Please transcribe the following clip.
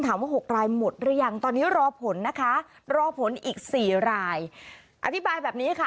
หกรายหมดหรือยังตอนนี้รอผลนะคะรอผลอีกสี่รายอธิบายแบบนี้ค่ะ